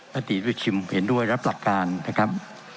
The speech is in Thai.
ติวิชิมเห็นด้วยรับหลักการนะครับ